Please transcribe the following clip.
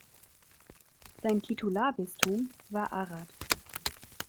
Sein Titularbistum war Arad.